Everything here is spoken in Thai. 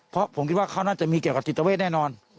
เพราะผมคิดว่าเขาน่าจะมีเกี่ยวกับจิตเวทแน่นอน